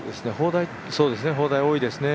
砲台多いですね